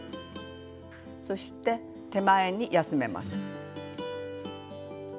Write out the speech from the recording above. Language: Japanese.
そして手前に休めます。